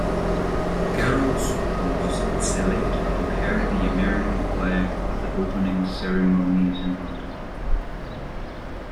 Garrels was selected to carry the American flag at the opening ceremonies in London.